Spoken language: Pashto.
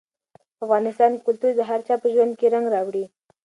په افغانستان کې کلتور د هر چا په ژوند کې رنګ راوړي.